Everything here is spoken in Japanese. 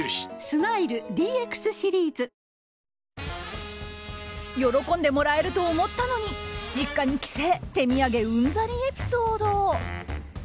スマイル ＤＸ シリーズ！喜んでもらえると思ったのに実家に帰省手土産うんざりエピソード。